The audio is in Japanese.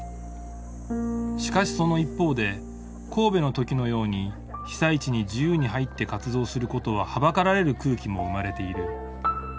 しかしその一方で神戸の時のように被災地に自由に入って活動することははばかられる空気も生まれている。